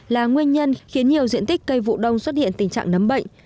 là nguyên nhân khiến nhiều diện tích cây vụ đông xuất hiện tình trạng nấm bệnh